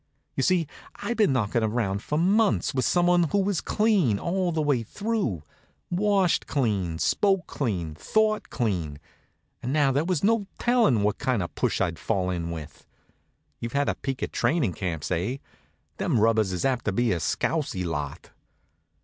You see, I'd been knockin' around for months with someone who was clean all the way through washed clean, spoke clean, thought clean and now there was no tellin' what kind of a push I'd fall in with. You've had a peek at trainin' camps, eh? Them rubbers is apt to be a scousy lot.